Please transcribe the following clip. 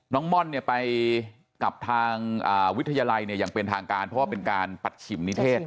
ม่อนเนี่ยไปกับทางวิทยาลัยเนี่ยอย่างเป็นทางการเพราะว่าเป็นการปัดฉิมนิเทศ